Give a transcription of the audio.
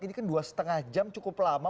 ini kan dua lima jam cukup lama